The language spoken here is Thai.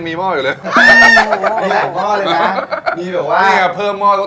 เกิดมาเจอหม้อเลย